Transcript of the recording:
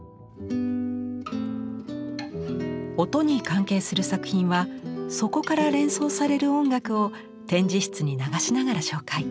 音に関係する作品はそこから連想される音楽を展示室に流しながら紹介。